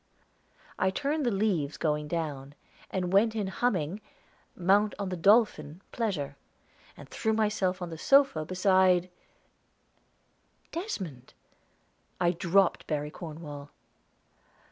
I turned the leaves going down, and went in humming: "Mount on the dolphin Pleasure," and threw myself on the sofa beside Desmond! I dropped Barry Cornwall.